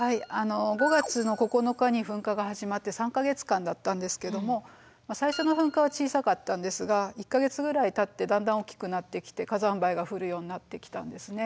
５月の９日に噴火が始まって３か月間だったんですけども最初の噴火は小さかったんですが１か月ぐらいたってだんだん大きくなってきて火山灰が降るようになってきたんですね。